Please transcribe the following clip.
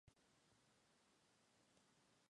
Otra hipótesis es que